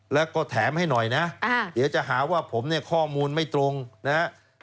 แล้วก็แถมให้หน่อยนะเดี๋ยวจะหาว่าผมเนี่ยข้อมูลไม่ตรงนะครับ